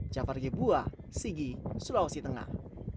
jafar g bua sigi sulawesi tengah